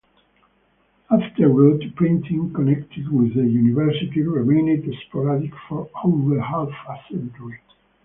After Rood, printing connected with the university remained sporadic for over half a century.